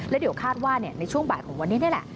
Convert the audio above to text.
แล้วเดี๋ยวคาดว่าในช่วงบ่ายของวันนี้นี่แหละ